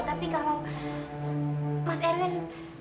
tapi kalau mas erwin